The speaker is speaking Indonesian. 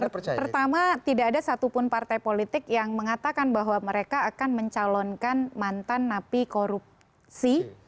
pertama tidak ada satupun partai politik yang mengatakan bahwa mereka akan mencalonkan mantan napi korupsi